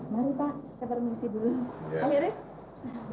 mari pak saya baru mesti dulu